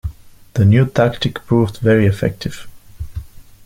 The new tactic proved very effective.